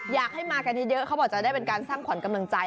อยากให้มากันเยอะเขาบอกจะได้เป็นการสร้างขวัญกำลังใจ